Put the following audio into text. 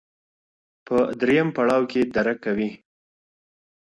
په درېیم پړاو کي درک کوي